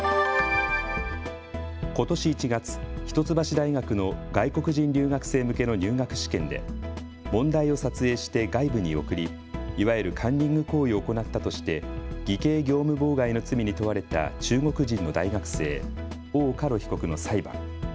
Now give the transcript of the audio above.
ことし１月、一橋大学の外国人留学生向けの入学試験で問題を撮影して外部に送りいわゆるカンニング行為を行ったとして偽計業務妨害の罪に問われた中国人の大学生、王嘉ろ被告の裁判。